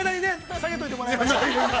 さげておいてもらいましょう。